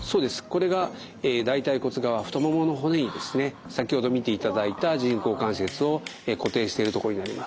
これが大腿骨側太ももの骨にですね先ほど見ていただいた人工関節を固定しているところになります。